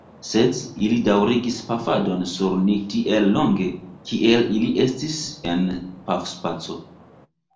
Sed, ili daŭrigis pafadon sur ni tiel longe, kiel ili estis en pafspaco.